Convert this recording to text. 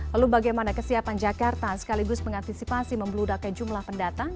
lalu bagaimana kesiapan jakarta sekaligus mengantisipasi membludaknya jumlah pendatang